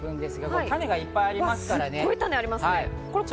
種がいっぱいあります。